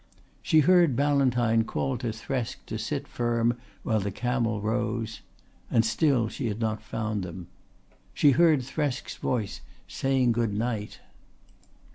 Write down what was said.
She heard Ballantyne call to Thresk to sit firm while the camel rose; and still she had not found them. She heard Thresk's voice saying good night.